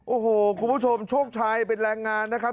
โอ้โฮของพวกเชิกชายเป็นแรงงานนะครับ